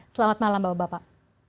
selamat malam bapak bapak